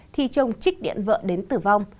thì chồng trích điện vợ đến tử vong